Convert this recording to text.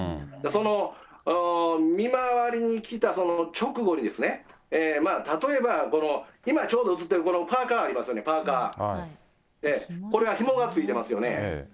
その見回りに来た直後に、例えば今、ちょうど映ってるこのパーカーありますよね、パーカー、これはひもがついてますよね。